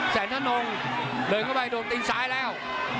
แสนทะนงเดินเข้าไปโดนตีนซ้ายแล้ว